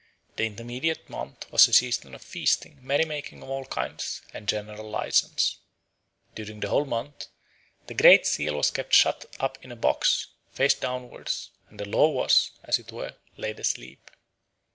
The intermediate month was a season of feasting, merry making of all kinds, and general licence. During the whole month the great seal was kept shut up in a box, face downwards, and the law was, as it were, laid asleep.